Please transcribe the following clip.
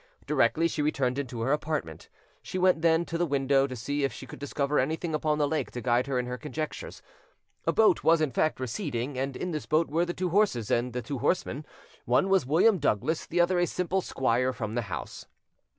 Directly she returned into her apartment, she went then to the window to see if she could discover anything upon the lake to guide her in her conjectures: a boat was in fact receding, and in this boat were the two horses and the two horsemen; one was William Douglas, the other a simple squire from the house.